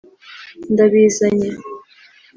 ndabizanye